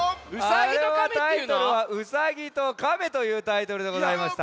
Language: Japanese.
あれはタイトルは「うさぎとかめ」というタイトルでございました。